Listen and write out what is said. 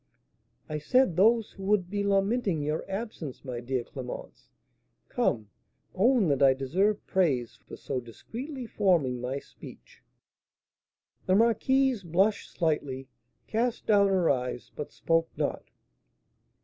"I said those who would be lamenting your absence, my dear Clémence, come, own that I deserve praise for so discreetly forming my speech." The marquise blushed slightly, cast down her eyes, but spoke not.